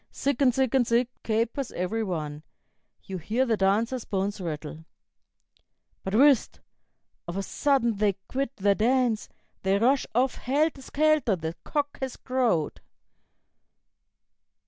Zig and Zig and Zig, capers every one; You hear the dancers' bones rattle. "But whist! Of a sudden they quit their dance; They rush off helter skelter, the cock has crowed."